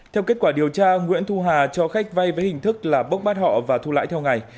theo kết quả điều tra nguyễn thu hà cho khách vay với hình thức là bốc bắt họ và thu lãi theo ngày